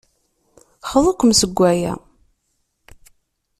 Xḍu-kem seg aya.